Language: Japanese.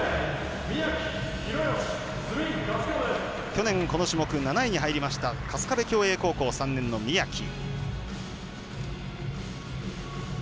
去年、この種目７位に入りました春日部共栄高校３年の宮木。